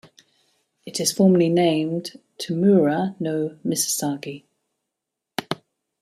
It is formally named "Tamura no misasagi".